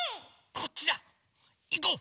こっちだ！いこう！